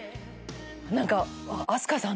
何か。